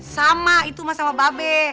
sama itu sama babe